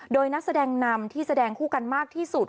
โดยนักแสดงนำที่แสดงคู่กันมากที่สุด